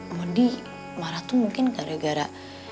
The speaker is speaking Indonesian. modi marah tuh mungkin gara gara